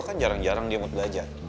kan jarang jarang dia mau belajar